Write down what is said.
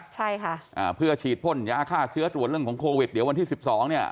ใช่ค่ะอ่าเพื่อฉีดพ่นยาฆ่าเชื้อตรวจเรื่องของโควิดเดี๋ยววันที่สิบสองเนี่ย